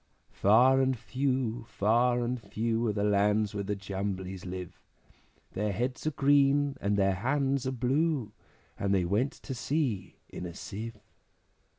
Far and few, far and few, Are the lands where the Jumblies live; Their heads are green, and their hands are blue, And they went to sea in a Sieve.